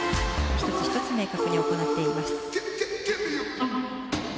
１つ１つ明確に行っていました。